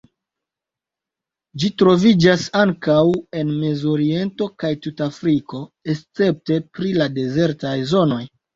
Ĝi troviĝas ankaŭ en Mezoriento kaj tuta Afriko, escepte pri la dezertaj zonoj.